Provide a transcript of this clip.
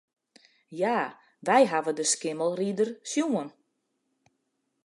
Ja, wy hawwe de Skimmelrider sjoen.